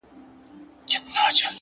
عاجزي د عزت ساتونکې ده،